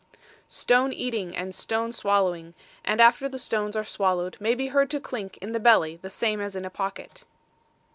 STONE EATING and STONE SWALLOWING And after the stones are swallowed may be heard to clink in the belly, the same as in a pocket.